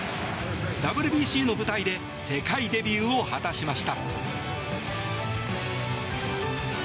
ＷＢＣの舞台で世界デビューを果たしました。